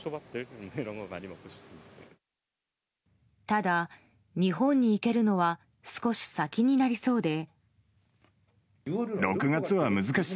ただ、日本に行けるのは少し先になりそうで。